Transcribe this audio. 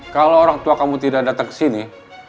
kalau orang tua kamu tidak datang kesini